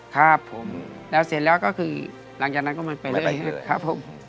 ครับผมแล้วเสร็จแล้วก็คือหลังจากนั้นก็มันไปเรื่อยครับผม